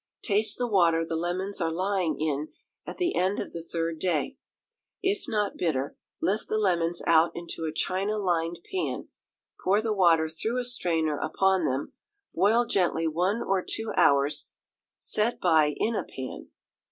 Taste the water the lemons are lying in at the end of the third day; if not bitter, lift the lemons out into a china lined pan, pour the water through a strainer upon them, boil gently one or two hours; set by in a pan.